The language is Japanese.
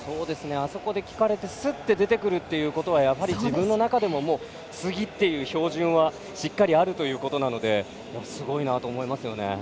あそこで聞かれてすっと出てくるということはやはり自分の中でも次っていう照準はしっかりあるということなのですごいなと思いますよね。